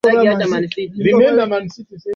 kwa sababu gharama ya vita ilishinda makisio yake